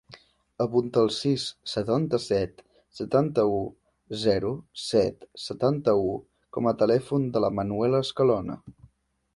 Apunta el sis, setanta-set, setanta-u, zero, set, setanta-u com a telèfon de la Manuela Escalona.